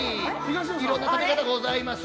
いろんな食べ方ございます